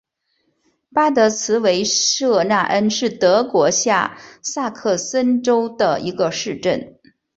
巴德茨维舍纳恩是德国下萨克森州的一个市镇。